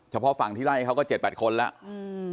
ฝั่งที่ไล่เขาก็๗๘คนแล้ว